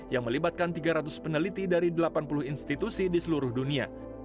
yang melibatkan tiga ratus peneliti dari delapan puluh institusi di seluruh dunia